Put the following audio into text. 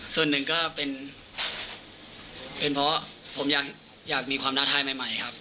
ส่วนหนึ่งก็เป็นเพราะผมอยากมีความท้าทายใหม่ครับ